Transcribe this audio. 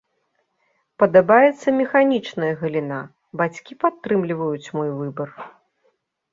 Падабаецца механічная галіна, бацькі падтрымліваюць мой выбар.